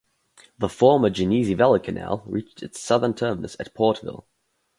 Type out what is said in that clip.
The former Genesee Valley Canal reached its southern terminus at Portville.